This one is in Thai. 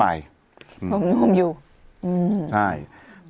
ปรากฏว่าจังหวัดที่ลงจากรถ